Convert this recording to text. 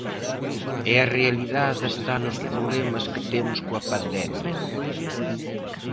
E a realidade está nos problemas que temos coa pandemia.